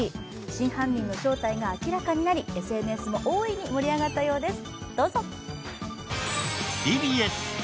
真犯人の正体が明らかになりＳＮＳも大いに盛り上がったようです